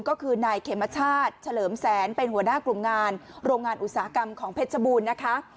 ก็คือนายเขมชาติเฉลิมแสนเป็นหัวหน้ากลุ่มงานโรงงานอุตสาหกรรมของเพชรบูรณ์นะคะ